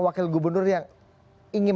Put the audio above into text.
wakil gubernur yang ingin